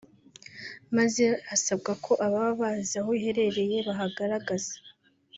maze hasabwa ko ababa bazi aho iherereye bahagaragaza